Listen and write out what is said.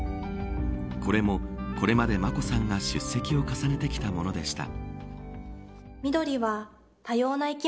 これも、これまで眞子さんが出席を重ねてきたものでした。